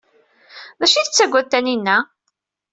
D acu ay tettaggad Taninna?